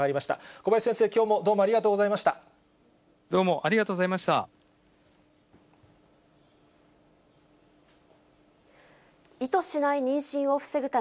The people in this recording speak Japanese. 小林先生、きょうもどうもありがとうございました。